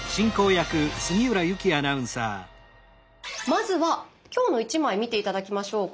まずは今日の１枚見て頂きましょう。